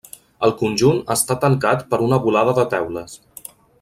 El conjunt està tancat per una volada de teules.